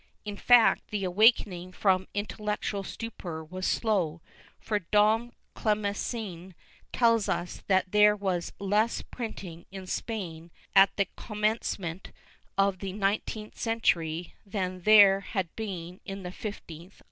^ In fact, the awakening from intel lectual stupor was slow, for Dom Clcmencin tells us that there was less printing in Spain at the commencement of the nineteenth century than there had been in the fifteenth under Isabella.